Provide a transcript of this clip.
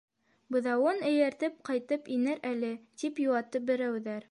Быҙауын эйәртеп ҡайтып инер әле, - тип йыуатты берәүҙәр.